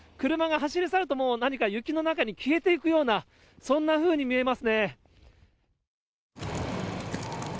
車が走り去ると、もう何か雪の中に消えていくような、そんなふうに見えますね。